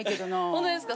ホントですか？